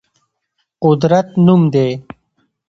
قدرت نوم دی.